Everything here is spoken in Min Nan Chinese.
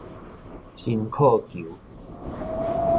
伸課球